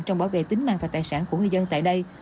trong bảo vệ tính mạng và tài sản của người dân tại đây